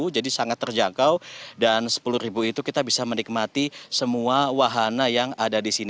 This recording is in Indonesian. jadi sangat terjangkau dan rp sepuluh itu kita bisa menikmati semua wahana yang ada di sini